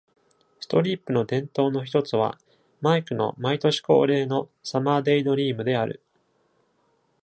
ストリップの伝統の一つは、マイクの毎年恒例のサマーデイドリームである。